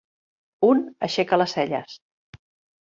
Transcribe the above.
Un aixeca les celles.